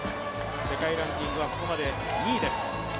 世界ランキングはここまで２位です。